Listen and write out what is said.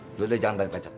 udah udah jangan berantem